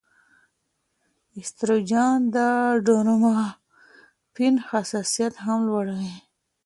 ایسټروجن د ډوپامین حساسیت هم لوړوي.